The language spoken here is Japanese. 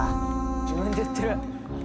「自分で言ってる！」